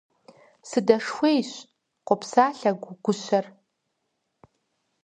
– Сыдэшхуейщ, – къопсалъэ гущэр.